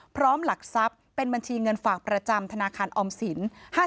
พร้อมหลักสับเป็นบัญชิเงินฝากประจำธนาคารออมศิลป์